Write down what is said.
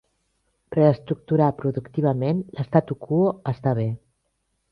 Reestructurar productivament l'statu quo està bé.